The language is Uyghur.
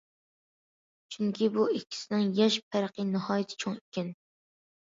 چۈنكى بۇ ئىككىسىنىڭ ياش پەرقى ناھايىتى چوڭ ئىكەن.